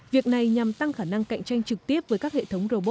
việc này nhằm tăng khả năng cạnh tranh trực tiếp với các hệ thống robot